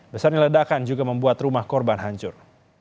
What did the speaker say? besarnya ledakan juga membuat rumah korban hancur